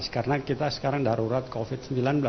karena kita sekarang darurat covid sembilan belas